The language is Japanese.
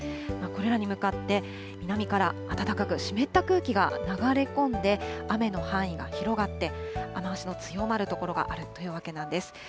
これらに向かって、南から暖かく湿った空気が流れ込んで、雨の範囲が広がって、雨足の強まる所があるというわけなんです。